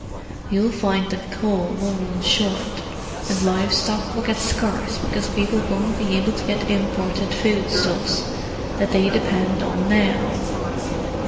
You'll find that coal will run short; and live stock will get scarce because people won't be able to get imported food stuffs that they depend on now.